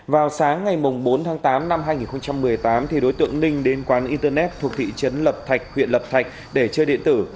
vào sáng ngày bốn tháng tám năm hai nghìn một mươi tám đối tượng ninh đến quán internet thuộc thị trấn lập thạch huyện lập thạch để chơi điện tử